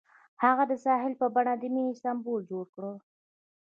هغه د ساحل په بڼه د مینې سمبول جوړ کړ.